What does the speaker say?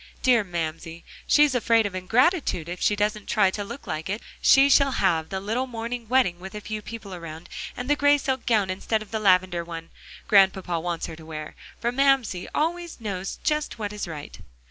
Dear Mamsie! she's afraid of ingratitude if she doesn't try to like it. She shall have the little morning wedding with a few people around, and the gray silk gown instead of the lavender one Grandpapa wants her to wear, for Mamsie always knows just what is right."